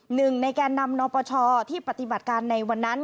หนึ่งในแก่นำนปชที่ปฏิบัติการในวันนั้น